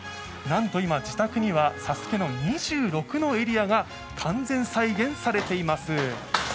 なんと今、自宅には「ＳＡＳＵＫＥ」の２６のエリアが完全再現されています。